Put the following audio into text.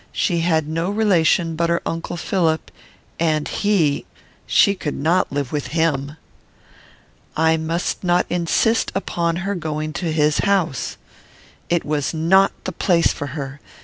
She had no relation but her uncle Philip, and he she could not live with him. I must not insist upon her going to his house. It was not the place for her.